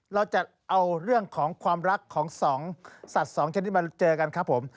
เราจะเอาเรื่องของความรักของสองสัตว์สองชนิดมาเจอกันครับผม